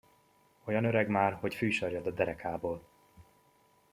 Olyan öreg már, hogy fű sarjad a derekából!